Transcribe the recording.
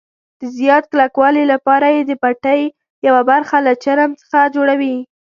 د زیات کلکوالي لپاره یې د پټۍ یوه برخه له چرم څخه جوړوي.